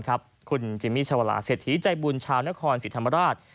คุณจิมมี่ชาวลาเสถียร์ใจบุญชาวนครสิรธรรมราช